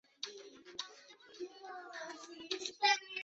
现在这一地区还有母语属于达罗毗荼语系的布拉灰人。